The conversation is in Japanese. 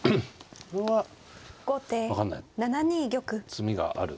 詰みがある。